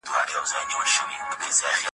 هره چیغه یې رسېږي له کوډلو تر قصرونو ,